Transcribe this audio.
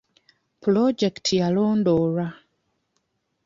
Pulojekiti yalondoolwa.